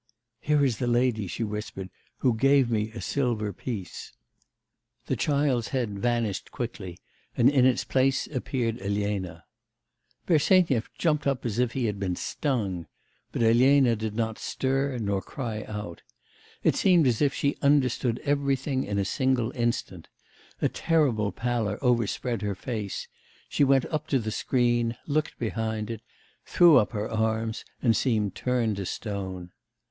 'Here is the lady,' she whispered, 'who gave me a silver piece.' The child's head vanished quickly, and in its place appeared Elena. Bersenyev jumped up as if he had been stung; but Elena did not stir, nor cry out. It seemed as if she understood everything in a single instant. A terrible pallor overspread her face, she went up to the screen, looked behind it, threw up her arms, and seemed turned to stone.